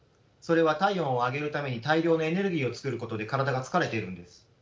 それは体温を上げるために大量のエネルギーを作ることで体が疲れているんです。